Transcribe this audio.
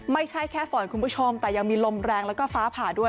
ไม่ใช่แค่ฝนคุณผู้ชมแต่ยังมีลมแรงแล้วก็ฟ้าผ่าด้วย